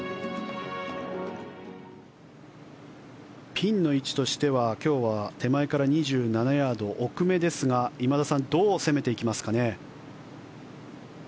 ピンの位置としては今日は手前から２７ヤード奥めですが、今田さんどう攻めていきますかね。